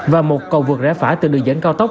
và một cầu vực rẽ phả từ đường dẫn cao tốc